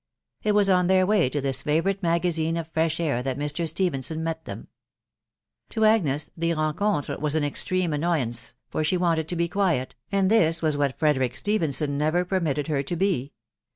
It was on their war to this favourite magazine of fresh air that Mr, Stephenam met them. To Agnes the rencontre was an extreme anoy ance, for she wanted to be quite quiet, and this was what Ia> derick Stephenson never permitted her to be.